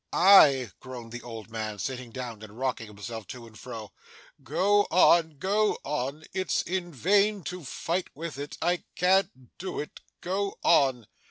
'Ay,' groaned the old man sitting down, and rocking himself to and fro. 'Go on, go on. It's in vain to fight with it; I can't do it; go on.